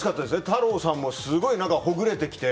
太郎さんもすごくほぐれてきて。